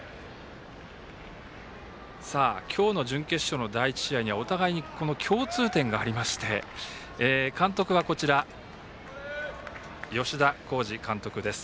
今日の準決勝の第１試合にはお互いに共通点がありまして監督は、吉田洸二監督です。